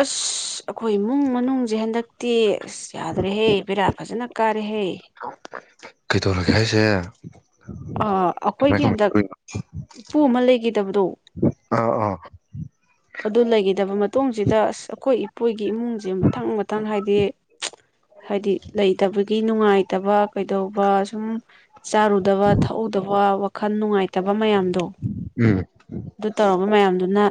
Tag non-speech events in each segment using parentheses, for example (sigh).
ꯑꯁ ꯑꯈꯣꯏ ꯏꯃꯨꯡ ꯃꯅꯨꯡꯁꯦ ꯍꯟꯗꯛꯇꯤ ꯑꯁ ꯌꯥꯗ꯭ꯔꯦꯍꯦ ꯕꯦꯔꯥꯞ ꯐꯖꯅ ꯀꯥꯔꯦꯍꯦ꯫ ꯀꯩꯗꯧꯔꯒꯦ ꯍꯥꯏꯁꯦ? ꯑ ꯀꯃꯥꯏ ꯑꯈꯣꯏꯒꯤ ꯀꯃꯥꯏ ꯍꯟꯗꯛ ꯇꯧꯔꯤꯅꯣ ꯏꯄꯨ ꯑꯃ ꯂꯩꯈꯤꯗꯕꯗꯣ ꯑꯥ ꯑꯧ ꯑꯗꯨ ꯂꯩꯈꯤꯗꯕ ꯃꯇꯨꯡꯁꯤꯗ ꯑꯁ ꯑꯈꯣꯏ ꯏꯄꯨꯒꯤ ꯏꯃꯨꯡꯁꯦ ꯃꯊꯪ ꯃꯊꯪ ꯍꯥꯏꯗꯤ (unintelligible) ꯍꯥꯏꯗꯤ ꯂꯩꯇꯕꯒꯤ ꯅꯨꯡꯉꯥꯏꯇꯕ, ꯀꯩꯗꯧꯕ ꯁꯨꯝ ꯆꯥꯔꯨꯗꯕ, ꯊꯛꯍꯧꯗꯕ, ꯋꯥꯈꯜ ꯅꯨꯡꯉꯥꯏꯇꯕ ꯃꯌꯥꯝꯗꯣ ꯎꯝ ꯑꯗꯨ ꯇꯧꯔꯕ ꯃꯌꯥꯝꯗꯨꯅ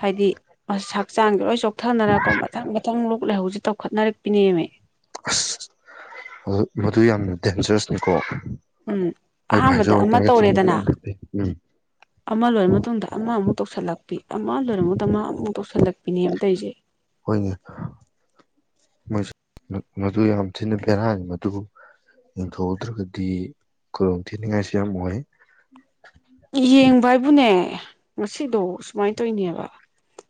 ꯍꯥꯏꯗꯤ ꯑꯁ ꯍꯛꯆꯥꯡꯁꯦ ꯂꯣꯏ ꯆꯣꯛꯊꯅꯔꯀꯣ ꯃꯊꯪ ꯃꯊꯪ ꯂꯣꯛ ꯂꯩꯍꯧꯁꯦ ꯇꯧꯈꯠꯅꯔꯛꯄꯤꯅꯦꯃꯦ꯫ ꯃꯗꯨ ꯃꯗꯨ ꯌꯥꯝꯅ ꯗꯦꯟꯖꯔꯁꯅꯦꯀꯣ ꯎꯝ ꯑꯍꯥꯟꯕꯗ ꯑꯃ ꯃꯗꯨ ꯇꯧꯔꯦꯗꯅ, ꯌꯥꯝ ꯐꯠꯇꯦ ꯎꯝ ꯑꯃ ꯂꯣꯏꯔ ꯃꯇꯨꯡꯗ ꯑꯃ ꯑꯃꯨꯛ ꯇꯧꯁꯜꯂꯛꯄꯤ ꯑꯃ ꯂꯣꯏꯔꯃꯗ ꯃꯥ ꯑꯃꯨꯛ ꯇꯧꯁꯜꯂꯛꯄꯤꯅꯦꯕ ꯇꯧꯏꯁꯦ ꯍꯣꯏꯅꯦ ꯃꯥ ꯃꯗꯨ ꯌꯥꯝ ꯊꯤꯅ ꯕꯦꯔꯥꯅꯤ ꯃꯗꯨ, ꯌꯦꯟꯊꯣꯛ ꯍꯎꯗ꯭ꯔꯒꯗꯤ ꯈꯨꯗꯣꯡ ꯊꯤꯅꯤꯡꯉꯥꯏꯁꯨ ꯌꯥꯝ ꯑꯣꯏ ꯌꯦꯡꯕ ꯍꯥꯏꯕꯨꯅꯦ ꯉꯁꯤꯗꯣ ꯎꯁꯨꯃꯥꯏ ꯇꯧꯅꯦꯕ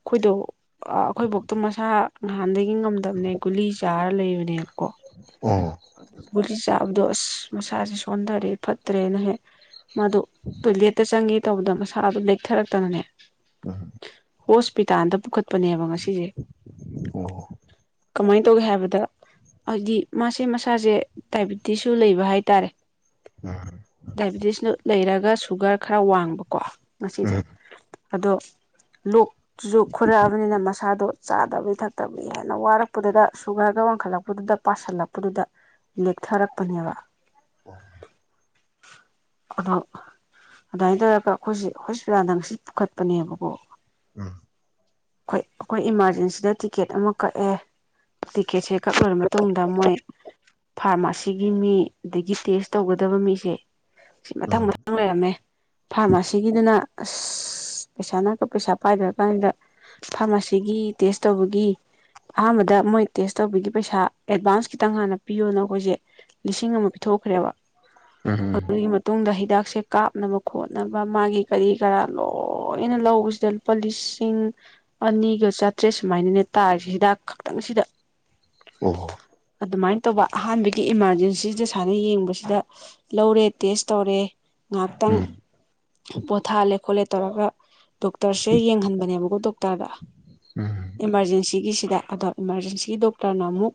ꯈꯣꯏꯗꯣ ꯑꯥ ꯑꯩꯈꯣꯏꯕꯣꯛꯇꯨ ꯃꯁꯥ ꯅꯍꯥꯟꯗꯒꯤ ꯉꯝꯗꯕꯅꯦ ꯒꯨꯂꯤ ꯆꯥꯔ ꯂꯩꯕꯅꯦꯕ ꯑꯣ ꯒꯨꯂꯤ ꯆꯥ ꯍꯥꯏꯕꯗꯣ ꯑꯁ ꯃꯁꯥꯁꯦ ꯁꯣꯟꯊꯔꯦ ꯐꯠꯇ꯭ꯔꯦꯅ ꯍꯦꯛ ꯃꯗꯣ ꯇꯣꯏꯂꯦꯠꯇ ꯆꯪꯒꯦ ꯇꯧꯕꯗ ꯃꯁꯥꯗꯨ ꯂꯦꯛꯊꯔꯛꯇꯅꯅꯦ ꯎꯝ ꯍꯣꯁꯄꯤꯇꯥꯜꯗ ꯄꯨꯈꯠ ꯄꯅꯦꯕ ꯉꯁꯤꯁꯦ ꯑꯣ ꯀꯃꯥꯏꯅ ꯇꯧꯒꯦ ꯍꯥꯏꯕꯗ ꯍꯥꯏꯗꯤ ꯃꯥꯁꯤ ꯁꯤ ꯃꯁꯥꯁꯦ ꯗꯥꯏꯕꯤꯇꯤꯁꯁꯨ ꯂꯩꯕ ꯍꯥꯏꯇꯥꯔꯦ ꯎꯝ ꯎꯝ ꯑꯣ ꯗꯥꯏꯕꯤꯦꯇꯤꯁꯅ ꯂꯩꯔꯒ ꯒ ꯁꯨꯒꯔ ꯈꯔ ꯋꯥꯡꯕꯀꯣ ꯃꯁꯤꯁꯤꯁꯦ ꯑꯗꯣ ꯂꯣꯛ ꯆꯨꯖꯨ ꯈꯣꯏꯔꯛꯑꯕꯅꯤꯅ ꯃꯁꯥꯗꯣ ꯆꯥꯗꯕꯩ ꯊꯛꯇꯕꯒꯤ ꯍꯥꯏꯅ ꯋꯥꯔꯛꯄꯗꯨꯗ ꯁꯨꯒꯔꯒ ꯋꯥꯡꯈꯠꯂꯛꯄꯗꯨꯗ ꯄꯁꯤꯜꯂꯛꯄ ꯗꯨꯗ ꯂꯦꯛꯊꯔꯛꯄꯅꯦꯕ ꯑꯣ ꯑꯗꯣ ꯑꯗꯨꯃꯥꯏꯅ ꯇꯧꯔꯒ ꯑꯩꯈꯣꯏꯁꯦ ꯍꯣꯁꯄꯤꯇꯥꯜꯗ ꯉꯁꯤ ꯄꯨꯈꯠꯄꯅꯦꯕꯀꯣ ꯎꯝ ꯑꯩꯣꯏ ꯑꯩꯈꯣꯏ ꯏꯃꯥꯔꯖꯦꯟꯁꯤꯗ ꯇꯤꯛꯀꯦꯠ ꯑꯃ ꯀꯛꯑꯦ ꯇꯤꯀꯦꯠꯁꯦ ꯀꯛꯂꯣꯏꯔ ꯃꯇꯨꯡꯗ ꯃꯣꯏ ꯐꯥꯔꯃꯥꯁꯤꯒꯤ ꯃꯤ ꯑꯗꯒꯤ ꯇꯦꯁ ꯇꯧꯒꯗꯕ ꯃꯤꯁꯦ ꯁꯤ ꯎꯝ ꯃꯊꯪ ꯑꯣ ꯃꯊꯪ ꯂꯩꯔꯝꯃꯦ ꯐꯥꯔꯃꯥꯁꯤꯒꯤꯗꯅ ꯑꯁ ꯄꯩꯁꯥ ꯛꯀ ꯄꯩꯁꯥ ꯄꯥꯏꯗ꯭ꯔ ꯀꯥꯟꯁꯤꯗ ꯐꯥꯔꯃꯥꯁꯤꯒꯤ ꯇꯦꯁ ꯇꯧꯕꯒꯤ ꯑꯍꯥꯟꯕꯗ ꯃꯣꯏ ꯇꯦꯁ ꯇꯧꯕꯒꯤ ꯄꯩꯁꯥ ꯑꯦꯗꯚꯥꯟꯁ ꯈꯤꯇꯪ ꯍꯥꯟꯅ ꯄꯤꯌꯣꯅ ꯑꯩꯈꯣꯏꯁꯦ ꯂꯤꯁꯤꯡ ꯑꯃ ꯄꯤꯊꯣꯛꯈ꯭ꯔꯦꯕ ꯑꯗꯨꯒꯤ ꯃꯇꯨꯡꯗ ꯍ ꯍꯤꯗꯥꯛꯁꯦ ꯀꯥꯞꯅꯕ ꯈꯣꯠꯅꯕ ꯃꯥꯒꯤ ꯀꯔꯤ ꯀꯔꯥ ꯂꯣꯏꯅ ꯂꯧꯕꯁꯤꯗ ꯂꯨꯄꯥ ꯂꯤꯁꯤꯡ ꯑꯅꯤꯒ ꯆꯥꯇ꯭ꯔꯦꯠ ꯁꯨꯃꯥꯏꯅꯅꯦ ꯇꯥꯔꯤꯁꯦ ꯍꯤꯗꯥꯛ ꯈꯛꯇꯪꯁꯤꯗ ꯑ ꯑꯗꯨꯃꯥꯏꯅ ꯇꯧꯕ ꯑꯍꯥꯟꯕꯒꯤ ꯏꯃꯥꯔꯖꯦꯟꯁꯤꯁꯤꯗ ꯁꯨꯃꯥꯏꯅ ꯌꯦꯡꯕꯁꯤꯗ ꯂꯧꯔꯦ ꯇꯦꯁ ꯇꯧꯔꯦ ꯉꯥꯏꯍꯥꯛꯇꯪ ꯎꯝ ꯄꯣꯊꯥꯍꯜꯂꯦ ꯈꯣꯠꯂꯦ ꯇꯧꯔꯒ ꯗꯣꯛꯇꯔꯁꯦ ꯌꯦꯡꯍꯟꯕꯅꯦꯕꯀꯣ ꯗꯣꯛꯇꯔꯗ ꯎꯝ ꯏꯃꯥꯔꯖꯦꯟꯁꯤꯒꯤꯁꯤꯗ ꯏꯃꯔꯖꯦꯟꯁꯤ ꯗꯣꯛꯇꯔꯅ ꯑꯃꯨꯛ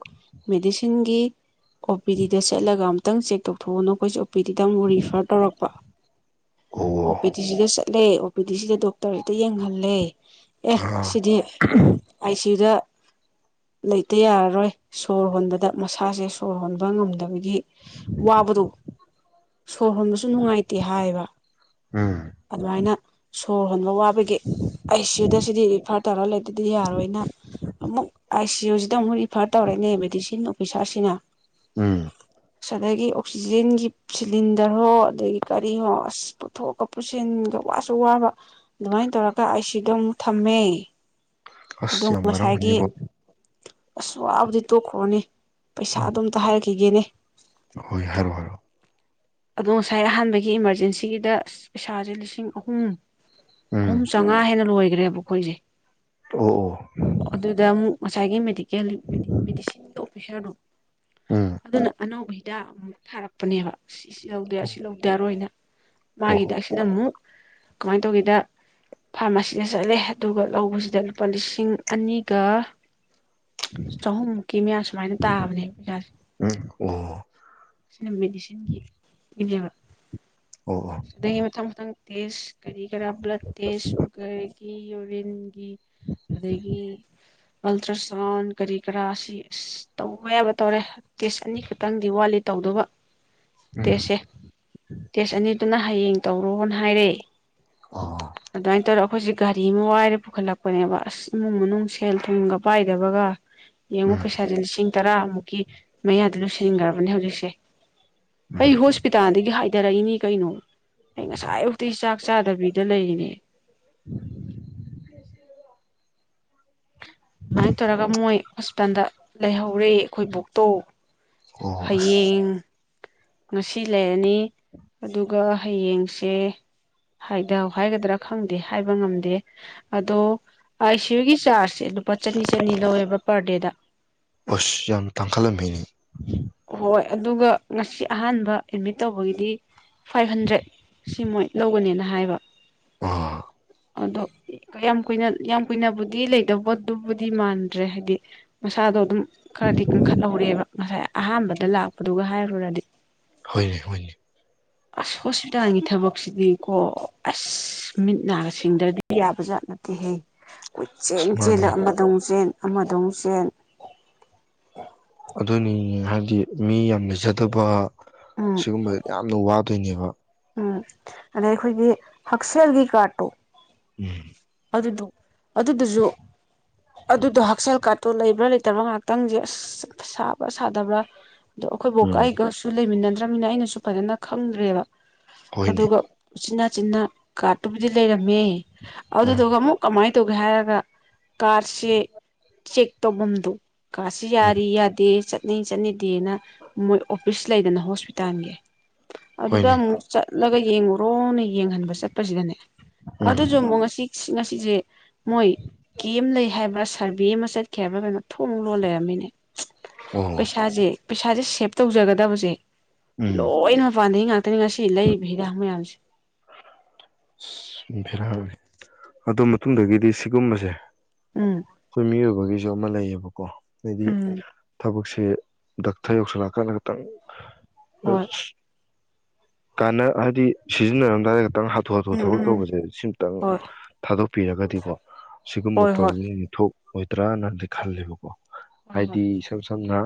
ꯃꯦꯗꯤꯁꯤꯟꯒꯤ ꯑꯣ ꯄꯤ ꯗꯤꯗ ꯆꯠꯂꯒ ꯑꯃ ꯈꯤꯇꯪ ꯆꯦꯛ ꯇꯊꯛꯑꯣꯅ ꯑꯩꯈꯣꯏꯁ ꯅꯨꯄꯤꯗꯤꯗ ꯑꯃꯨꯛ ꯔꯤꯐꯔ ꯇꯧꯔꯛꯄ ꯑꯣ ꯄꯤꯇꯁꯤꯒꯦꯁ ꯂꯩ ꯑꯣ ꯑꯗꯨꯗꯤ ꯁꯤꯗ ꯗꯣꯛꯇꯔ ꯍꯦꯛꯇ ꯌꯦꯡꯍꯜꯂꯦ ꯑꯦ ꯑꯥ ꯁꯤꯗꯤ ꯑꯥꯏ ꯁꯤ ꯌꯨꯗ ꯂꯩꯇ ꯌꯥꯔꯔꯣꯏ ꯁꯣꯔ ꯍꯣꯟꯕꯗ ꯃꯁꯥꯁꯦ ꯁꯣꯔ ꯍꯣꯟꯕ ꯉꯝꯗꯕꯒꯤ ꯋꯥꯕꯔꯨ ꯁꯣꯔ ꯍꯣꯟꯕꯁꯨ ꯅꯨꯡꯉꯥꯏꯇꯦ ꯍꯥꯏꯌꯦꯕ ꯎꯝ ꯑꯗꯨꯃꯥꯏꯅ ꯁꯣꯔ ꯍꯣꯟꯕ ꯋꯥꯠ ꯑꯥꯏ ꯁꯤꯨ ꯁꯤꯗꯤ ꯐꯔ ꯇꯧꯔ ꯂꯩꯗꯤ ꯌꯥꯔꯣꯏꯅ ꯑꯃꯨꯛ ꯑꯥꯏ ꯁꯤ ꯨ ꯔꯤꯐꯔ ꯇꯧꯔꯦ ꯄꯩꯁꯥꯁꯤꯅ ꯎꯝ ꯑꯗꯒꯤ ꯑꯣꯛꯁꯤꯖꯦꯟꯒꯤ ꯁꯤꯂꯤꯟꯗꯔ ꯍꯣ ꯑꯗꯒꯤ ꯀꯔꯤ ꯍꯣ ꯑꯁ ꯄꯨꯊꯣꯛꯑꯀ ꯄꯨꯁꯤꯟꯒ ꯋꯥꯁꯨ ꯋꯥꯕ ꯑꯗꯨꯃꯥꯏꯅ ꯇꯧꯔꯒ ꯑꯩꯁꯤꯗ ꯑꯃꯨꯛ ꯊꯝꯃꯦ ꯑ ꯑꯔ ꯃꯅꯤꯄ ꯑꯁꯗꯤ ꯇꯗꯨꯈꯣꯅꯤ ꯄꯩꯁꯥ ꯎꯝ ꯑꯗꯨ ꯑꯝꯇ ꯍꯥꯏꯔꯛꯈꯤꯒꯦꯅꯦ ꯍꯣꯏ ꯍꯥꯏꯔꯣꯑꯣ ꯍꯥꯏꯔꯣꯑꯣ ꯑꯗꯣ ꯉꯁꯥꯏ ꯑꯍꯥꯟꯕꯒꯤ ꯏꯃꯥꯔꯖꯦꯟꯁꯤꯒꯤꯗ ꯄꯩꯁꯥꯁꯦ ꯂꯤꯁꯤꯡ ꯑꯍꯨꯝ ꯎꯝ ꯑꯍꯨꯝ ꯆꯥꯝꯃꯉꯥ ꯍꯦꯟꯅ ꯂꯣꯏꯈ꯭ꯔꯦꯕ ꯃꯈꯣꯏꯁꯤ ꯑꯣ ꯑꯣ ꯉꯁꯥꯏꯒꯤ ꯃꯦꯗꯤꯀꯦꯜ ꯃꯦꯗꯤꯁꯤꯟꯒꯤ ꯑꯣꯐꯤꯁꯥꯔꯗꯣ ꯎꯝ ꯑꯗꯨꯅ ꯑꯅꯧꯧꯕꯩ ꯍꯤꯗ ꯑꯃꯨꯛ ꯊꯥꯔꯛꯄꯅꯦꯕ ꯁꯤ ꯁꯤ ꯂꯧꯗꯦ ꯑꯣ ꯁꯤ ꯂꯧꯗꯦ ꯌꯥꯔꯣꯏꯅ ꯃꯥꯒꯤꯗ ꯑꯣ ꯑꯁꯤꯅ ꯑꯃꯨꯛ ꯀꯃꯥꯏꯅ ꯇꯧꯒꯦꯗ ꯐꯥꯔꯃꯥꯁꯤꯗ ꯆꯠꯂꯦ ꯑꯗꯨꯒ ꯂꯧꯕꯁꯤꯗ ꯂꯨꯄꯥ ꯂꯤꯁꯤꯡ ꯑꯅꯤꯒ ꯆꯍꯨꯝꯃꯨꯛꯀꯤ ꯃꯌꯥ ꯁꯨꯃꯥꯏꯅ ꯇꯥꯕꯅꯦ ꯑꯣꯖꯥꯁꯦ ꯎꯝ ꯑꯣ ꯑꯁꯤꯅ ꯃꯦꯗꯤꯁꯤꯟꯒꯤ ꯏꯅꯦ ꯑꯣ ꯑꯣ ꯁꯤꯗ ꯍ ꯃꯊꯪ ꯃꯊꯪ ꯇꯦꯁ ꯀꯔꯤ ꯀꯔꯥ ꯕ꯭ꯂꯠ ꯇꯦꯁ ꯁꯨꯒꯔꯒꯤ ꯌꯨꯔꯤꯟꯒꯤ ꯑꯗꯒꯤ ꯑꯜꯇ꯭ꯔ ꯁꯥꯎꯟ ꯀꯔꯤ ꯀꯔꯥ ꯁꯤ ꯑ ꯇꯧꯕ ꯌꯥꯕ ꯇꯧꯔꯦ ꯇꯦꯁ ꯑꯅꯤꯈꯛꯇꯪꯗꯤ ꯋꯥꯠꯂꯤ ꯇꯧꯗꯧꯕ ꯎꯝ ꯇꯦꯁꯁꯦ ꯇꯦꯁ ꯑꯅꯤꯗꯨꯅ ꯍꯌꯦꯡ ꯇꯧꯔꯣꯅ ꯍꯥꯏꯔꯛꯏꯦ ꯑꯣ ꯥꯏ ꯇꯔꯈ ꯒꯥꯔꯤ ꯑꯃ ꯋꯥꯏꯔ ꯄꯨꯈꯠꯂꯛꯄꯅꯦꯕ ꯑꯁ ꯏꯃꯨꯡ ꯃꯅꯨꯡ ꯁꯦꯜ ꯊꯨꯝꯒ ꯄꯥꯏꯗꯕꯒ ꯌꯦꯡꯉ ꯎꯝ ꯄꯩꯁꯥ ꯂꯤꯁꯤꯡ ꯇꯔꯥꯃꯨꯛꯀꯤ ꯃꯌꯥꯗ ꯂꯣꯏꯁꯤꯟꯈ꯭ꯔꯕꯅꯦ ꯍꯧꯖꯤꯛꯁꯦ ꯑꯩ ꯎꯝ ꯍꯣꯁꯄꯤꯇꯥꯜꯗꯒꯤ ꯍꯥꯏꯦ ꯍꯊꯔꯛꯏꯅꯤ ꯀꯩꯅꯣ ꯑꯩ ꯉꯁꯥꯏꯐꯥꯎꯛꯇꯤ ꯆꯥꯛ ꯆꯥꯗꯕꯤꯗ ꯂꯩꯔꯤꯅꯦ (inaudible) ꯥꯏ ꯇꯧꯔꯒ ꯃꯣꯏ ꯍꯣꯁꯄꯤꯇꯥꯜꯗ ꯂꯩꯍꯧꯔꯦ ꯑꯩꯈꯣꯏ ꯕꯣꯛꯇꯧ ꯑꯣ ꯑꯁ ꯍꯌꯦꯡ ꯉꯁꯤ ꯂꯩꯔꯅꯤ ꯑꯗꯨꯒ ꯍꯌꯦꯡꯁꯦ ꯍꯥꯏꯒꯗ꯭ꯔꯥ ꯈꯪꯗꯦ ꯍꯥꯏꯕ ꯉꯝꯗꯦ ꯑꯗꯣ ꯑꯥꯏ ꯁꯤꯌꯨꯒꯤ ꯆꯥꯔꯖꯁꯦ ꯄꯄꯥ ꯆꯅꯤ ꯆꯅꯤ ꯂꯧꯋꯦꯕ ꯄꯔ ꯗꯦꯗ ꯎ ꯍꯣꯏ ꯑꯗꯨꯒ ꯉꯁꯤ ꯑꯍꯥꯟꯕ ꯑꯦꯗꯃꯤꯠ ꯇꯧꯕꯒꯤꯗꯤ ꯐꯥꯏꯚ ꯍꯟꯗ꯭ꯔꯦꯠ ꯁꯤ ꯃꯣꯏ ꯂꯧꯒꯅꯦꯅ ꯍꯥꯏꯕ ꯑ ꯑꯥ ꯑꯗꯣ ꯌꯥꯝ ꯀꯨꯏꯅ ꯌꯥꯝ ꯀꯨꯏꯅꯕꯨꯗꯤ ꯂꯩꯇꯕꯗꯨꯕꯨꯗꯤ ꯃꯥꯟꯗ꯭ꯔꯦ ꯍꯥꯏꯗꯤ ꯃꯁꯥꯗꯣ ꯑꯗꯨꯝ ꯈꯔꯗꯤ ꯀꯟꯈꯠꯍꯧꯔꯦꯕ ꯑ ꯑꯍꯥꯟꯕꯗ ꯂꯥꯛꯄꯗꯨꯒ ꯍꯥꯏꯔꯨꯔꯗꯤ ꯍꯣꯏꯅꯦ ꯍꯣꯏꯅꯦ ꯑꯁ ꯍꯣꯁꯄꯤꯇꯥꯜꯒꯤ ꯊꯕꯛꯁꯤꯗꯤ ꯀꯣ ꯑꯁ ꯃꯤꯠ ꯅꯥꯒ ꯁꯦꯡꯗ꯭ꯔꯗꯤ ꯌꯥꯕꯖꯥꯠ ꯅꯠꯇꯦꯍꯦ ꯀꯣꯏꯆꯦꯜ ꯑꯁ ꯆꯦꯜꯂ ꯃꯥꯅꯦ ꯑꯃꯗ ꯑꯃꯨꯛ ꯆꯦꯜ ꯑꯃꯗꯝ ꯆꯦꯟ ꯑꯗꯨꯅꯤ ꯍꯥꯏꯕꯗꯤ ꯃꯤ ꯌꯥꯝ ꯂꯩꯖꯗꯕ ꯎꯝ ꯁꯤꯒꯨꯝꯕꯗ ꯌꯥꯝꯅ ꯋꯥꯕ ꯑꯗꯨꯅꯦꯕ ꯎꯝ ꯑꯗꯩ ꯑꯩꯈꯣꯏꯒꯤ ꯍꯛꯁꯦꯜꯒꯤ ꯀꯥꯔꯠꯇꯣ ꯎꯝ ꯑꯗꯨꯗꯣ ꯑꯗꯨꯗꯨꯁꯨ ꯑꯗꯨꯗꯣ ꯍꯛꯁꯦꯜ ꯀꯥꯠꯇꯣ ꯂꯩꯕ꯭ꯔꯥ ꯂꯩꯇꯕ꯭ꯔꯥ ꯉꯍꯥꯛꯇꯪꯁꯦ ꯑꯁ ꯁꯥꯕ꯭ꯔꯥ ꯁꯥꯗꯕ꯭ꯔꯥ ꯑꯗꯣ ꯑꯩꯈꯣꯏꯕꯣꯀꯥ ꯎꯝ ꯏꯩꯒꯁꯨ ꯂꯩꯃꯤꯟꯅ (unintelligible) ꯇ꯭ꯔꯕꯃꯤꯅ ꯑꯩꯅꯁꯨ ꯐꯖꯅ ꯈꯪꯗ꯭ꯔꯦꯕ ꯍꯣꯏꯅꯦ ꯑꯗꯨꯒ ꯎꯆꯤꯟ ꯅꯥꯆꯤꯅꯥ ꯀꯥꯔꯠꯇꯨꯕꯨꯗꯤ ꯂꯩꯔꯝꯃꯦ ꯎꯝ ꯑꯗꯨꯗꯨꯒ ꯑꯃꯨꯛ ꯀꯃꯥꯏ ꯇꯧꯒꯦ ꯍꯥꯏꯔ ꯀꯥꯔꯁꯦ ꯆꯦꯛ ꯇꯧꯐꯝꯗꯨ ꯀꯁꯤ ꯎꯝ ꯌꯥꯔꯤ ꯌꯥꯗꯦ ꯆꯠ ꯅ ꯆꯠꯅꯤꯗꯦꯅ ꯃꯣꯏ ꯑꯣꯐꯤꯁ ꯂꯩꯗꯅ ꯍꯣꯁꯄꯤꯇꯥꯜꯒꯤ ꯑꯗꯨꯗ ꯍꯣꯏꯅꯦ ꯑꯃꯨꯛ ꯆꯠꯂꯒ ꯌꯦꯡꯉꯨꯔꯣꯅꯦ ꯌꯦꯡꯍꯟꯕ ꯆꯠꯄꯁꯤꯗꯅꯦ ꯑꯗꯨꯁꯨ ꯎꯝ ꯑꯃꯨꯛ ꯉꯁꯤ ꯁꯤ ꯉꯁꯤꯁꯦ ꯃꯣꯏ ꯀꯦꯝ ꯂꯩ ꯍꯥꯏꯕ꯭ꯔꯥ ꯁꯔꯚꯦ ꯑꯃ ꯆꯠꯈꯤ ꯍꯥꯏꯕ꯭ꯔꯥ ꯀꯩꯅꯣ ꯊꯣꯡ ꯂꯣꯟ ꯂꯩꯔꯝꯃꯤꯅꯦ ꯑꯣ ꯄꯩꯁꯥꯥꯁꯦ ꯄꯩꯁꯥꯥꯁꯦ ꯁꯞ ꯇꯧꯖꯒꯗꯕꯁꯦ ꯎꯝ ꯂꯣꯏꯅ ꯃꯄꯥꯟꯗꯩ ꯩꯉꯁꯤ ꯂꯩꯔꯤꯕ ꯍꯤꯗꯥꯛ ꯃꯌꯥꯝꯁꯦ ꯑꯁ ꯕꯦꯔꯥꯅꯤ ꯗꯨ ꯃꯇꯨꯡꯗꯒꯤꯗꯤ ꯁꯤꯒꯨꯝꯕꯁꯦ ꯎꯝ ꯈꯣꯏ ꯃꯤꯑꯣꯏꯕꯒꯤ ꯑꯃ ꯂꯩꯌꯦꯕꯀꯣ ꯍꯥꯏꯗꯤ ꯎꯝ ꯊꯕꯛꯁꯦ ꯁ ꯗꯥꯛꯇꯔ ꯌꯧꯁꯤꯜꯂꯛꯑꯀꯥꯟꯗ ꯈꯤꯇꯪ ꯑꯝ ꯍꯣꯏ ꯀꯥꯟꯅ ꯍꯥꯏꯕꯗꯤ ꯁꯤꯖꯤꯟꯅꯔꯝꯗꯥꯏꯗ ꯈꯤꯇꯪ ꯍꯥꯊꯨ ꯍꯥꯊꯨ ꯎꯝ ꯊꯕꯛ ꯎꯝ ꯇꯧꯕꯁꯦ ꯁꯤꯝꯇꯪ ꯍꯣꯏ ꯊꯥꯗꯣꯛ ꯄꯤꯔꯒꯗꯤꯀꯣ ꯁꯤꯒꯨꯝꯕ ꯍꯣꯏ ꯍꯣꯏ ꯄ꯭ꯔꯣꯕ꯭ꯂꯦꯝ ꯁꯤꯡꯁꯦ ꯊꯣꯛꯣꯛ ꯍꯣꯏ ꯇꯔꯥ ꯅꯗꯤ ꯈ ꯂꯩꯦꯕꯀꯣ ꯍꯣꯏ ꯍꯣꯏ ꯍꯥꯏꯗꯤ ꯁꯝ ꯁꯝꯅ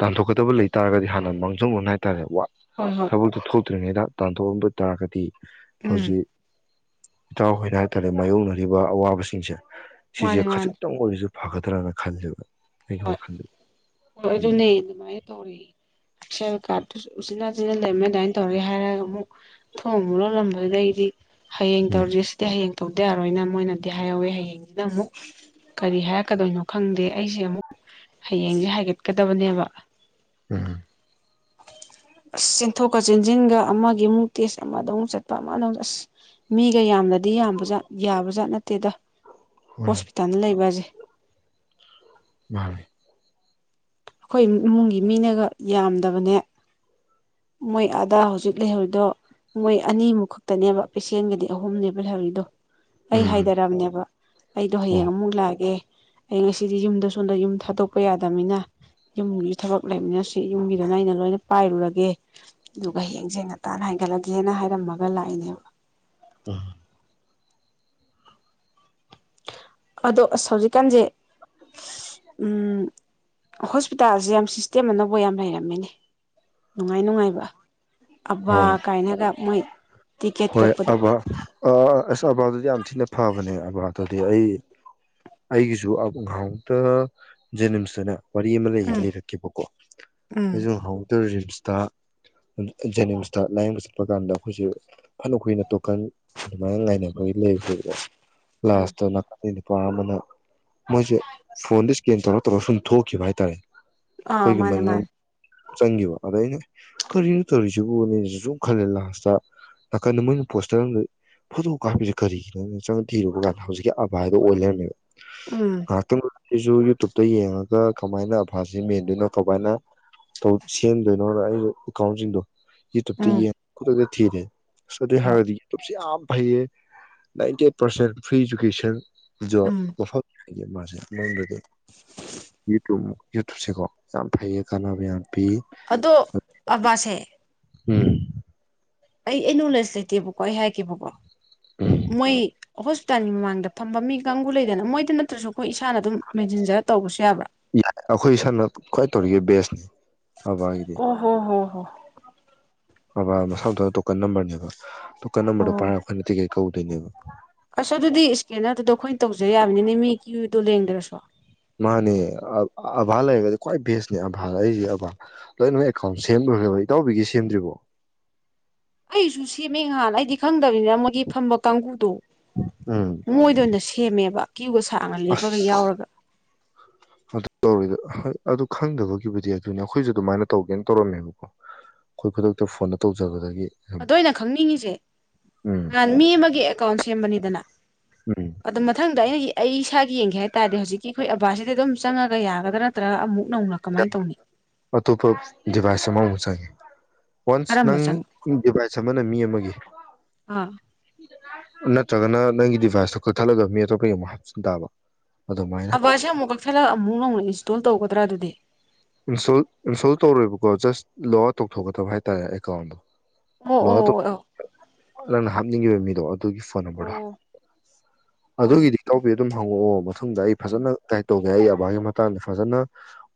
ꯇꯥꯟꯊꯣꯛꯀꯗꯕ ꯂꯩ ꯇꯥꯔꯒꯗꯤ ꯍꯥꯟꯅ ꯃꯥꯡꯖꯧꯕ ꯍꯥꯏꯇꯥꯔꯦ ꯋꯥ ꯍꯣꯏ ꯍꯣꯏ ꯊꯕꯛꯇ ꯊꯣꯛ ꯇ꯭ꯔꯤꯉꯩꯗ ꯇꯥꯟꯊꯣꯛꯑꯕ ꯇꯥꯔꯒꯗꯤ ꯎꯝ ꯍꯧꯖꯤꯛ ꯏꯇꯥꯎꯈꯣꯏꯅ ꯍꯥꯏꯇꯥꯔꯦ ꯃꯥꯥꯏꯌꯣꯛꯅꯔꯤꯕ ꯑꯋꯥꯕꯁꯤꯡꯁꯦ ꯁꯤꯁꯦ ꯃꯥꯅꯦ ꯃꯥꯅꯦ ꯈꯖꯤꯛꯇꯪ ꯋꯥꯔꯤꯣꯔꯤꯁꯨ ꯐꯒꯗ꯭ꯔꯅ ꯈꯜꯂꯤꯕ ꯑꯩꯍꯨ ꯈꯥꯟꯗ ꯅ ꯃꯥ ꯇꯧ ꯄ ꯀꯥ ꯎꯆꯤꯤꯟ ꯅꯥꯆꯤꯟꯅ ꯂꯩꯝꯃꯦ ꯑꯗꯨꯃꯥꯏꯅ ꯇꯧꯔꯦ ꯍꯥꯏꯔꯒ ꯑꯃꯨꯛ ꯊꯣꯡ ꯑꯃꯨꯛ ꯂꯣꯜꯂꯝꯕꯗꯨꯗꯗꯒꯤꯗꯤ ꯍꯌꯦꯡ ꯎꯝ ꯇꯧꯔꯤ ꯁꯤꯗꯤ ꯍꯌꯦꯡ ꯇꯧꯇ ꯌꯥꯔꯣꯏꯅ ꯃꯣꯏꯅꯗꯤ ꯍꯥꯏꯍꯧꯋꯦ ꯍꯌꯦꯡ ꯗ ꯑꯃꯨꯛ ꯀꯔꯤ ꯍꯥꯏꯔꯛꯀꯗꯣꯏꯅꯣ ꯈꯪꯗꯦ ꯑꯩꯁꯦ ꯑꯃꯨꯛ ꯍꯌꯦꯡꯁꯦ ꯍꯥꯏꯒ ꯆꯠꯀꯗꯕꯅꯦꯕ ꯎꯝ ꯁꯤꯟꯊꯨ ꯀꯆꯦꯟꯁꯤꯟꯒ ꯑꯃꯒꯤ ꯑꯃꯨꯛ ꯇꯦꯁ ꯑꯃꯗ ꯑꯃꯨꯛ ꯆꯠꯄ ꯑꯃꯗ ꯑꯃꯛ ꯑꯁ ꯃꯤꯒ ꯌꯥꯝꯅ ꯌꯥꯝꯕꯠ ꯌꯥꯕ ꯖꯥꯠ ꯅꯠꯇꯦꯗ ꯍꯣꯏ ꯍꯣꯁꯄꯤꯇꯥꯜꯗ ꯂꯩꯕꯁꯦ ꯃꯥꯅꯦ ꯑꯩꯈꯣꯏ ꯏꯃꯨꯡꯒꯤ ꯃꯤꯅꯒ ꯌꯥꯝꯗꯕꯅꯦ ꯃꯣꯏ ꯑꯥꯗꯥ ꯍꯧꯖꯤꯛ ꯂꯩꯍꯧꯔꯤꯗꯣ ꯃꯣꯏ ꯑꯅꯤꯃꯨꯛ ꯈꯛꯇꯅꯦꯕ ꯄꯦꯁꯦꯟꯒꯗꯤ ꯑꯍꯨꯝꯅꯦꯕ ꯂꯩꯍꯧꯔꯤꯗꯣ ꯑꯩ ꯎꯝ ꯍꯥꯏꯊꯔꯑꯝꯅꯦꯕ ꯑꯩꯗꯣ ꯍꯌꯦꯡ ꯑꯣ ꯑꯃꯨꯛ ꯂꯥꯛꯑꯒꯦ ꯑꯩ ꯉꯁꯤꯗꯤ ꯌꯨꯝꯗ ꯁꯣꯝꯗ ꯌꯨꯝ ꯊꯥꯗꯣꯛꯄ ꯌꯥꯗꯕꯅꯤꯅ ꯌꯨꯝꯒꯤ ꯊꯕꯛ ꯂꯩꯃꯤꯟꯅꯁꯤ ꯌꯨꯝꯒꯤꯗꯅ ꯑꯩꯅ ꯂꯣꯏꯅ ꯄꯥꯏꯔꯨꯔꯒꯦ ꯑꯗꯨꯒ ꯍꯌꯦꯡꯁꯦ ꯉꯇꯥꯅ ꯍꯥꯏꯒꯠꯂꯒꯦꯅ ꯍꯥꯏꯔꯝꯃꯒ ꯂꯥꯛꯏꯅꯦꯕ ꯑ ꯑꯗꯣ ꯑꯁ ꯍꯧꯖꯤꯛꯀꯥꯟꯁꯦ ꯎꯝ ꯍꯣꯁꯄꯤꯇꯥꯜ ꯁꯦ ꯌꯥꯝ ꯁꯤꯁꯇꯦꯝ ꯑꯅꯧꯕꯥ ꯌꯥꯝ ꯂꯩꯔꯝꯃꯦꯅꯦ ꯅꯨꯡꯉꯥꯏ ꯅꯨꯡꯉꯥꯏꯕ ꯑꯕꯥ ꯍꯣꯏ ꯀꯥꯏꯅꯒ ꯃꯩ ꯍꯣꯏ ꯑꯕ ꯑꯥ (unintelligible) ꯌꯥꯝ ꯊꯤꯅ ꯐꯕꯅꯦ ꯑꯕꯠ ꯗꯗꯤ ꯑꯩ ꯑꯩꯒꯤꯁꯨ ꯅꯍꯟꯉꯣꯛꯇ ꯖꯦꯅꯤꯝꯁꯇꯅꯦ ꯋꯥꯔꯤ ꯑꯃ ꯂꯩꯌꯦ ꯎꯝ ꯂꯩꯔꯛꯀꯦꯕꯀꯣ ꯑꯗꯨ ꯍꯥꯎ ꯇ ꯁꯇ ꯖꯦꯅꯤꯝꯁꯇ ꯂꯥꯏꯌꯦꯡꯕ ꯆꯠꯄ ꯀꯥꯟꯗ ꯑꯩꯈꯣꯏꯁꯦ ꯐꯅ ꯀꯨꯏꯅ ꯇꯣꯀꯟ ꯑꯗꯨꯃꯥꯏꯅ ꯉꯥꯏꯅꯕꯒꯤ ꯂꯩꯈ꯭ꯔꯦꯀꯣ ꯎꯝ ꯂꯥꯁꯇꯣ ꯑ ꯅꯨꯄꯥ ꯑꯃꯅ ꯃꯣꯏꯁꯦ ꯐꯣꯟꯗ ꯏꯁꯀꯦꯟ ꯇꯧꯔ ꯇꯧꯔ ꯁꯨꯝ ꯊꯣꯛꯈꯤꯕ ꯍꯥꯏꯇꯥꯔꯦ ꯑꯥ ꯑꯩꯈꯣꯏꯒꯤ ꯃꯥꯅꯦ ꯃꯅꯤꯡ ꯃꯥꯅꯦ ꯆꯪꯈꯤꯕ ꯑꯗ ꯑꯩꯅ ꯀꯔꯤꯅꯣ ꯇꯧꯔꯤꯁꯤꯕꯨꯅꯦꯁꯨ ꯁꯨꯝ ꯈꯜꯂꯦ ꯂꯥꯁꯇ ꯅꯥꯀꯟꯗ ꯃꯣꯏꯅ ꯄꯣꯁꯇꯔ ꯑꯃꯗ ꯐꯣꯇꯣ ꯀꯥꯞꯄꯤꯁꯦ ꯀꯔꯤꯒꯤꯅꯣ ꯆꯪ ꯊꯤꯔꯨꯕ ꯀꯥꯟꯗ ꯍꯧꯖꯤꯛꯀꯤ ꯑꯕꯥꯏꯗꯣ ꯑꯣꯏ ꯂꯩꯔꯝꯃꯦꯕ ꯎꯝ ꯑ ꯑꯩꯁꯨ ꯌꯨꯇꯨꯕꯇ ꯌꯦꯡꯉꯒ ꯀꯃꯥꯏꯅ ꯑꯐꯥꯁꯤ ꯃꯦꯟꯗꯣꯏꯅꯣ ꯀꯃꯥꯏꯅ ꯁꯦꯝꯗꯣꯏꯅꯣꯅ ꯑꯩ ꯑꯦꯀꯥꯎꯟꯁꯤꯡꯗꯣ ꯇꯞꯗꯤ ꯎꯝ ꯌꯦ ꯊꯦ ꯁꯗ ꯍꯣꯏ ꯍꯥꯏꯔꯗꯤ ꯇꯁꯤꯝ ꯐꯩꯌꯦ ꯅꯥꯏꯟꯇꯤ ꯄꯔꯁꯦꯟ ꯐ꯭ꯔꯤ ꯏꯖꯨꯀꯦꯁꯟ ꯌ ꯎꯝ ꯄꯐꯛ ꯍꯥꯏ ꯃꯥꯁꯦ ꯃꯅꯨꯡꯗꯗꯤ ꯌꯨꯇ ꯌꯨꯇꯨꯞꯁꯦꯀꯣ ꯌꯥꯝ ꯐꯩꯌꯦ ꯀꯥꯟꯅꯕ ꯌꯥꯌꯥꯝ ꯑꯗꯣ ꯑꯕꯥꯁꯦ ꯎꯝ ꯑꯩ ꯑꯩ ꯅꯣꯂꯦꯖ ꯂꯩꯇꯦꯕꯀꯣ ꯑꯩ ꯍꯥꯏꯈꯤꯕꯀꯣ ꯎꯝ ꯃꯣꯏ ꯍꯣꯁꯄꯤꯇꯥꯜꯒꯤ ꯃꯃꯥꯡꯗ ꯐꯝꯕ ꯃꯤ ꯀꯥꯡꯕꯨ ꯂꯩꯗꯅ ꯃꯣꯏꯗ ꯅꯠꯇ꯭ꯔꯁꯨ ꯑꯩꯈꯣꯏ ꯏꯁꯥꯅ ꯑꯗꯨꯝ ꯃꯦꯟꯁꯤꯟꯖꯔ ꯇꯧꯕꯁꯨ ꯌꯥꯕ꯭ꯔꯥ ꯇꯧꯔꯤꯒ ꯕꯦꯁꯅꯤ ꯑꯕꯥꯒꯤꯗꯤ ꯑꯣ ꯍꯣ ꯍ ꯍꯣ ꯕ ꯃꯁꯥ ꯃꯊꯗ ꯇꯣꯀꯟ ꯅꯝꯕꯔꯅꯦꯕ ꯗꯨꯀꯥꯟ ꯑꯃꯣ ꯑꯣ ꯄꯥꯔꯈꯅꯗꯤꯒꯦ ꯀꯧꯗꯅꯦꯕ ꯑꯁ ꯑꯗꯨꯗꯤ ꯏꯁꯀꯦꯟꯅꯔꯗꯨꯗꯣ ꯑꯩꯈꯣꯏꯅ ꯇꯧꯖ ꯌꯥꯕꯅꯤꯅꯦ ꯃꯤ ꯀ꯭ꯌꯨꯗꯣ ꯂꯦꯡꯗ꯭ꯔꯁꯨ ꯃꯥꯅꯦ ꯑꯚꯥ ꯂꯩꯔꯒꯗꯤ ꯈ꯭ꯋꯥꯏ ꯕꯦꯁꯅꯦ ꯑꯚꯥ ꯑꯩꯁꯦ ꯑꯕꯥꯥ ꯂꯣꯏꯅꯃꯛ ꯑꯦꯀꯥꯎꯟ ꯁꯦꯝꯂꯈ꯭ꯔꯦꯕ ꯏꯇꯥꯎꯕꯤꯒꯤ ꯁꯦꯝꯗ꯭ꯔꯤꯕꯣ ꯑꯩꯁꯨ ꯁꯦꯝꯃꯦꯍꯥꯟ ꯑꯩꯗꯤ ꯈꯪꯗꯦ ꯆꯠꯇꯕꯅꯤꯅ ꯃꯣꯏꯒꯤ ꯐꯝꯕ ꯀꯥꯡꯒꯨꯗꯣ ꯎꯝ ꯃꯣꯏꯗ ꯑꯣꯏꯅ ꯁꯦꯝꯃꯦꯕ ꯀ꯭ꯌꯨꯒ ꯁꯥꯡꯅ ꯂꯦꯞꯄꯒ ꯑꯁ ꯌꯥꯎꯔꯒ ꯑꯗꯨ ꯇꯧꯔꯤꯗ ꯑꯗꯨ ꯈꯪꯗꯕꯒꯤꯕꯨꯗꯤ ꯑꯗꯨꯅ ꯑꯩꯈꯣꯏꯁꯨ ꯑꯗꯨꯃꯥꯏꯅ ꯇꯧꯒꯦꯅ ꯇꯧꯔꯝꯃꯦꯕꯀꯣ ꯑꯩꯈꯣꯏ ꯈꯨꯗꯛꯇ ꯐꯣꯟꯗ ꯇꯧꯖꯕꯗꯒꯤ ꯑꯗꯣ ꯑꯩꯅ ꯈꯪꯅꯤꯡꯉꯤꯁꯦ ꯎꯝ ꯅꯍꯥꯟ ꯃꯤ ꯑꯃꯒꯤ ꯑꯦꯀꯥꯎꯟ ꯁꯦꯝꯕꯅꯤꯗꯅ ꯎꯝ ꯑꯗꯨ ꯃꯊꯪꯗ ꯑꯩꯅ ꯑꯩ ꯏꯁꯥꯒꯤ ꯌꯦꯡꯒꯦ ꯍꯥꯏ ꯇꯥꯔꯗꯤ ꯍꯧꯖꯤꯛꯀꯤ ꯑꯩꯈꯣꯏ ꯑꯕꯥꯁꯤꯗꯤ ꯑꯗꯨꯝ ꯆꯪꯉꯒ ꯌꯥꯒꯗ꯭ꯔꯥ ꯅꯠꯇ꯭ꯔꯒ ꯑꯃꯨꯛ ꯅꯧꯅ ꯀꯃꯥꯏꯅ ꯇꯧꯅꯤ ꯑꯇꯣꯞꯄ ꯕꯥꯁꯥ ꯃꯥ ꯁ꯭ꯋꯥꯏꯒꯩ ꯋꯟꯁ ꯀꯔꯝꯕ ꯅꯪ ꯆꯪ ꯗꯤꯚꯥꯏꯁ ꯑꯃꯅ ꯃꯤ ꯑꯃꯒꯤ ꯑꯥ ꯅꯠꯇ꯭ꯔꯥꯒꯅ ꯅꯪꯒꯤ ꯗꯤꯚꯥꯏꯁꯇꯣ ꯀꯛꯊꯠꯂꯒ ꯃꯤ ꯑꯇꯣꯞꯄꯒꯤ ꯑꯃꯨꯛ ꯍꯥꯞꯆꯤꯟ ꯇꯥꯕ ꯑꯗꯨꯃꯥꯏꯅ ꯑꯕꯁꯦ ꯑꯃꯨꯛ ꯀꯛꯊꯠꯂꯒ ꯑꯃꯨꯛ ꯅꯧꯅ ꯏꯟꯁ꯭ꯇꯥꯜ ꯇꯧꯒꯗ꯭ꯔꯥ ꯑꯗꯨꯗꯤ ꯏꯟꯁ꯭ꯇꯥꯜ ꯇꯧꯔꯣꯏꯕꯀꯣ ꯖꯁ ꯂꯣꯛ ꯑꯥꯎꯠ ꯇꯧꯊꯣꯛꯀꯗꯕ ꯍꯥꯏꯇꯥꯔꯦ ꯑꯦꯀꯥꯎꯟꯠ ꯗꯣ ꯑꯣ ꯑꯣ ꯂꯣꯒ ꯑꯣ ꯑꯣ ꯑꯥꯎꯠ ꯅꯪꯅ ꯍꯥꯞꯅꯤꯡꯉꯤꯕ ꯃꯤꯗꯣ ꯑꯗꯨꯒꯤ ꯐꯣꯟ ꯅꯝꯕꯔꯗ ꯑꯣ ꯍꯣꯏꯅꯦ ꯑꯗꯨꯒꯤꯗꯤ ꯏꯇꯧꯕꯤ ꯑꯗꯨꯝ ꯍꯡꯉꯛꯑꫭ ꯃꯇꯨꯡꯗ ꯑꯩ ꯐꯖꯅ ꯇ꯭ꯔꯥꯏ ꯇꯧ ꯑꯩ ꯑꯕꯒꯤ ꯃꯇꯥꯡꯗ ꯐꯖꯟꯅꯥ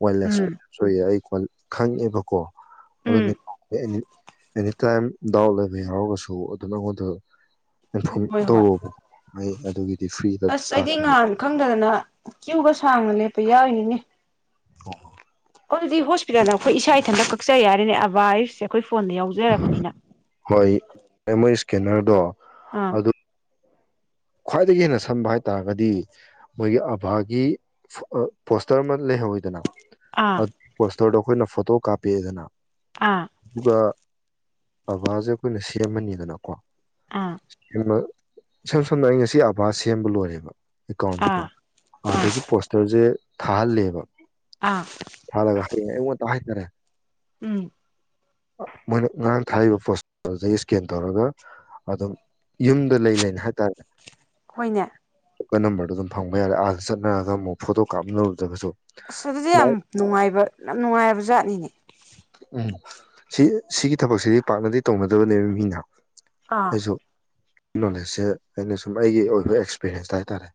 ꯋꯥꯏꯜꯗ ꯎꯝ ꯑꯦꯁꯄꯦꯛꯇ ꯑꯩ ꯈꯣꯟ ꯈꯪꯉꯦꯕꯀꯣ ꯑꯗꯨꯅꯤ ꯎꯝ (unintelligible) ꯑꯦꯅꯤꯇꯥꯏꯝ ꯗꯥꯎꯠ ꯂꯩꯕ ꯌꯥꯎꯔꯒꯁꯨ ꯑꯗꯨꯝ ꯑꯩꯉꯣꯟꯗ ꯐꯣꯟ ꯎꯝ ꯍꯣꯏ ꯍꯣꯏ ꯇ꯭ꯋꯔꯣꯕ ꯀꯣ ꯑꯩ ꯑꯗꯨꯒꯤ ꯑꯁ ꯑꯩꯗꯤ ꯅꯍꯥꯟ ꯈꯪꯗꯗꯅ ꯀ꯭ꯌꯨ ꯒ ꯁꯥꯡꯅ ꯂꯦꯞꯄ ꯌꯥꯎꯔꯤꯅꯤꯅꯦ ꯍꯣ ꯍꯣ ꯍꯣ ꯑꯗꯨꯗꯤ ꯍꯣꯁꯄꯤꯇꯜꯗ ꯑꯩꯈꯣꯏ ꯏꯁꯥ ꯏꯊꯟꯇ ꯀꯛꯆ ꯌꯥꯔ ꯑꯅꯦ ꯑꯕꯕꯥ ꯑꯩꯁ ꯑꯩꯈꯣꯏ (unintelligible) ꯐꯣꯟ ꯗ ꯌꯥꯎꯖꯔꯕꯅꯤꯅ ꯁ꯭ꯀꯦꯅꯔ ꯗꯣ ꯑꯥ ꯈ꯭ꯋꯥꯏꯗꯒꯤ ꯍꯦꯟꯅ ꯁꯟꯝꯕ ꯍꯥꯏꯇꯥꯥꯔꯒꯗꯤ ꯃꯣꯏꯒꯤ ꯑꯕꯥꯒꯤ ꯄꯣꯁꯇꯔ ꯑꯃ ꯂꯩꯍꯧꯋꯤꯗꯅ ꯑ ꯑꯥ ꯄꯣꯁ ꯇꯔꯗꫭ ꯑꯩꯈꯣꯏꯅ ꯐꯣꯇꯣ ꯀꯥꯞꯄꯛ ꯑꯦꯗꯅ ꯑꯥ ꯑꯗꯨꯒ ꯑꯕꯕꯥꯁꯦ ꯑꯩꯈꯣꯏꯅ ꯁꯦꯝꯃꯅꯤꯗꯅꯀꯣ (unintelligible) ꯑꯥ (unintelligible) ꯁꯝꯅ ꯑꯩ ꯉꯁꯤ ꯑꯕꯥ ꯁꯦꯝꯕ ꯂꯣꯏꯔꯦꯕ ꯑꯦꯀꯥꯎꯟꯁꯦꯀꯣ ꯑꯥ ꯑꯥ ꯑꯗꯒꯤ ꯄꯣꯁꯇꯔꯁꯦ ꯊꯥꯍꯜꯂꯦꯕ ꯑꯥ ꯏꯃ ꯍꯥꯏ ꯇꯔꯦ ꯎꯝ ꯃꯣꯏꯅ ꯉꯔꯥꯡ ꯊꯥꯔꯤꯕ ꯄꯣꯁꯇꯣꯗꯒꯤ ꯏꯁꯀꯦꯟ ꯇꯧꯔꯒ ꯑꯗꯨꯝ ꯌꯨꯝꯗ ꯂꯩ ꯂꯩꯅ ꯍꯥꯏꯇꯥꯥꯔꯦ ꯍꯈꯣꯏꯅꯦ ꯀ ꯅꯝꯕꯔꯗꯨꯣꯝ ꯐꯪꯕꯔ ꯑꯥꯗ ꯆꯠꯅꯔꯒ ꯑꯃꯨꯛ ꯐꯣꯇꯣ ꯀꯥꯞꯅꯔꯨꯗꯒꯁꯨ ꯑꯁ ꯑꯗꯨꯗꯤ ꯌꯥꯝ ꯅꯨꯡꯉꯥꯏꯕ ꯌꯥꯝ ꯅꯨꯡꯉꯥꯏꯔꯕ ꯖꯥꯠꯅꯤꯅꯦ ꯎꯝ ꯁꯤ ꯁꯤꯒꯤ ꯊꯕꯛꯁꯤꯗꯤ ꯄꯥꯛꯅꯗꯤ ꯇꯧꯅꯗꯕꯅꯦꯕ ꯃꯤꯅ ꯑꯥ ꯑꯖꯣꯛ ꯅꯣꯂꯦꯖꯁꯦ ꯑꯩꯅ ꯁꯨꯝ ꯑꯩꯒꯤ ꯑꯣꯏꯕ ꯑꯦꯛꯁꯄꯤꯔꯦꯟꯁꯇ ꯍꯥꯏꯇꯥꯔꯦ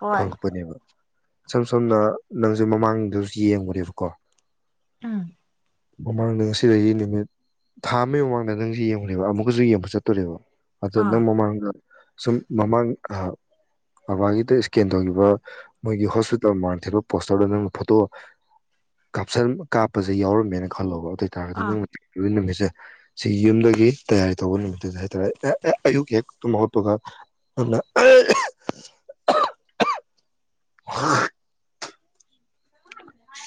ꯍꯣꯏ ꯐꯪꯄꯅꯦꯕ ꯁꯝ ꯁꯣꯝꯅ ꯅꯪꯁꯦ ꯃꯃꯥꯡꯗꯁꯨ ꯌꯦꯡꯉꯨꯔꯦꯕꯀꯣ ꯑꯥ ꯃꯃꯥꯡꯗ ꯉꯁꯤꯁꯤ ꯅꯨꯃꯤꯠ ꯊꯥ ꯑꯃꯒꯤ ꯃꯃꯥꯡꯗ ꯅꯪꯁ ꯌꯦꯡꯈꯦꯕ ꯑꯃꯨꯛꯀꯁꯨ ꯌꯦꯡꯕ ꯆꯠꯇꯣꯔꯦꯕ ꯑꯁꯨ ꯑꯦ ꯑꯥ ꯑꯗꯨꯗꯝ ꯃꯃꯥꯡꯒꯥ ꯁꯨꯝ ꯃꯃꯥꯡ ꯕꯕꯥꯒꯤꯗ ꯏꯁꯀꯦꯟ ꯇꯧꯈꯤꯕ ꯃꯣꯏꯒꯤ ꯍꯣꯁꯄꯤꯇꯥꯜ ꯃꯃꯥꯡ ꯊꯦꯠꯄ ꯄꯣꯁꯇꯔꯗ ꯅꯪꯅ ꯐꯣꯇꯣ ꯀꯥꯞꯁꯟ ꯀꯥꯞꯄꯁꯦ ꯌꯥꯎꯔꯝꯃꯦꯅ ꯈꯥꯒ ꯑꯇꯩꯇꯥꯔꯗꯤ ꯑꯥ ꯅꯪ ꯂꯣꯏꯅ ꯁꯦ ꯁꯤ ꯌꯨꯝꯗꯒꯤ ꯇꯌꯥꯔꯤ ꯇꯧꯕ ꯅꯨꯃꯤꯠꯇꯨꯗ ꯍꯥꯏꯇꯥꯔꯦ ꯑꯦ ꯑꯦ ꯑꯌꯨꯛ ꯍꯦꯛ ꯇꯨꯝꯠꯄꯒ ꯑꯗꯨꯅ ꯑ